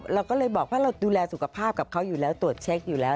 เราก็เลยบอกว่าเราดูแลสุขภาพกับเขาอยู่แล้วตรวจเช็คอยู่แล้ว